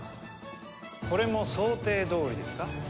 これも想定どおりですか？